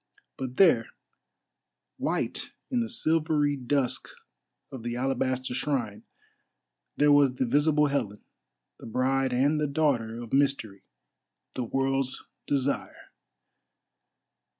But there, white in the silvery dusk of the alabaster shrine, there was the visible Helen, the bride and the daughter of Mystery, the World's Desire!